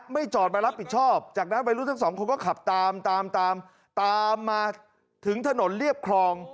จอดมารับผิดชอบจากนั้นวัยรุ่นทั้งสองคนก็ขับตามตามมาถึงถนนเรียบคลอง